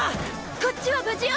こっちは無事よ！